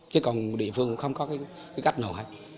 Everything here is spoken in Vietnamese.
chứ còn địa phương không có cái cách nào hết